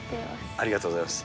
ありがとうございます。